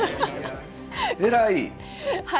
偉い！